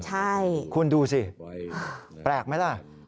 ใช่คุณดูสิแปลกไหมล่ะ